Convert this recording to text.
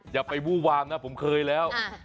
อย่าไปวู้วางนะผมเคยแล้ว